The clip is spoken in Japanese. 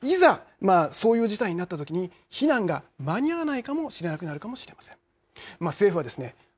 いざそういう事態になったときに避難が間に合わないかもしれなくなるかもしれません。